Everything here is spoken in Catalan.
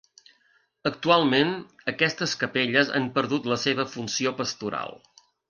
Actualment, aquestes capelles han perdut la seva funció pastoral.